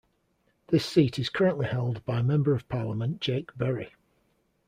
This seat is currently held by Member of Parliament Jake Berry.